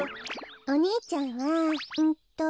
お兄ちゃんはうんと。